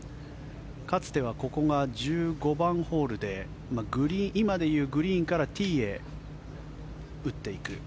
かつてはここが１５番ホールで今でいうグリーンからティーへ打っていく。